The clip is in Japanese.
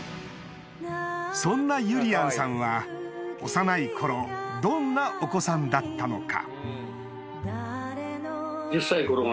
そんなゆりやんさんは幼い頃どんなお子さんだったのか？